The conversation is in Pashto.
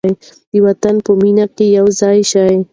د وطن په مینه کې یو ځای شئ.